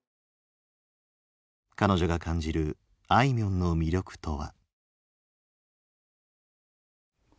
彼女が感じるあいみょんの魅力とは？